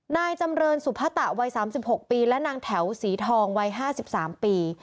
นายจำเรินสุพตะวัย๓๖ปีและนางแถวสีทองวัย๕๓ปี